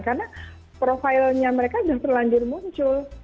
karena profilnya mereka sudah berlanjur muncul